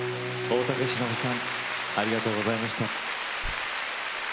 大竹しのぶさんありがとうございました。